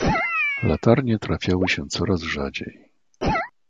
"Latarnie trafiały się coraz rzadziej."